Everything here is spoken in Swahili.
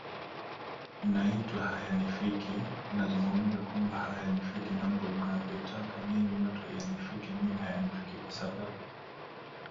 unaitwa hayanifiki Nazungumza kwamba hayanifiki mambo mnayotaka nyinyi watu yanifike mimi Hayanifiki kwa sababu